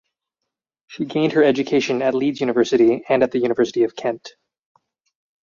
She gained her education at Leeds University and at the University of Kent.